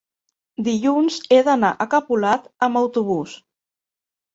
dilluns he d'anar a Capolat amb autobús.